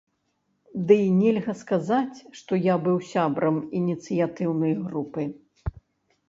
Дый нельга сказаць, што я быў сябрам ініцыятыўнай групы.